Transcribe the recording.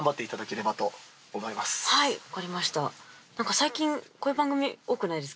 最近こういう番組多くないですか？